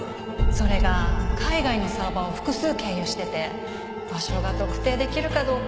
それが海外のサーバーを複数経由してて場所が特定できるかどうか。